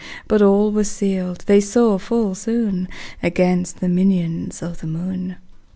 But all were sealed, they saw full soon, Against the minions of the moon.